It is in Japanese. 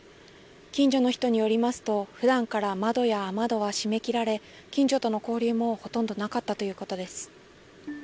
近所の人によりますと、ふだんから窓や雨戸は閉め切られ、近所との交流もほとんどなかったということです。